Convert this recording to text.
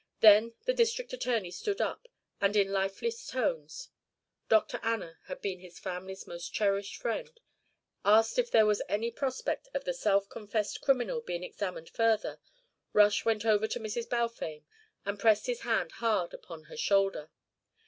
Then the district attorney stood up, and in lifeless tones Dr. Anna had been his family's most cherished friend asked if there was any prospect of the self confessed criminal being examined further. Rush went over to Mrs. Balfame and pressed his hand hard upon her shoulder.